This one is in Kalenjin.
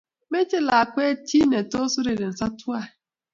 Meche lakwet chi netos urerensoo tuwai